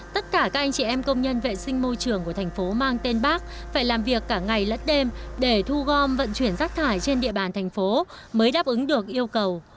tất cả các anh chị em công nhân vệ sinh môi trường của thành phố mang tên bác phải làm việc cả ngày lẫn đêm để thu gom vận chuyển rác thải trên địa bàn thành phố mới đáp ứng được yêu cầu